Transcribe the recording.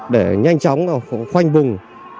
để nhanh chóng khoanh bùng